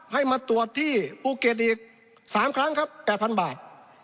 ให้มาตรวจที่ภูเก็ตอีก๓ครั้งครับ๘๐๐๐บาท